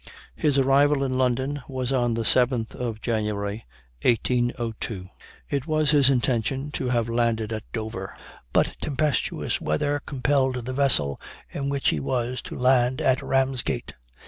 "His arrival in London was on the 7th of January, 1802. It was his intention to have landed at Dover; but tempestuous weather compelled the vessel in which he was to land at Ramsgate.